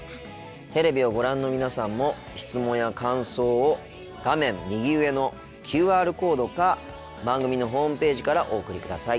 テレビをご覧の皆さんも質問や感想を画面右上のＱＲコードか番組のホームページからお送りください。